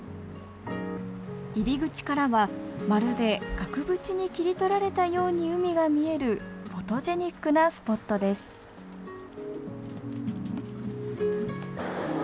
入り口からはまるで額縁に切り取られたように海が見えるフォトジェニックなスポットですうわ